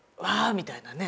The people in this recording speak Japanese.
みたいなね。